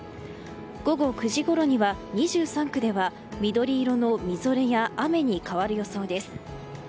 午後９時ごろには２３区では緑色のみぞれや雨に変わる予想です。